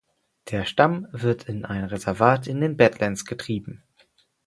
Der Stamm wird in ein Reservat in den Bad Lands getrieben.